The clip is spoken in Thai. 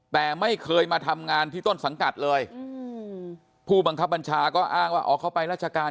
แต่ไม่เคยมาทำงานที่ต้นสังกัดเลยผู้บังคับบัญชาก็อ้างว่าอ๋อเขาไปราชการ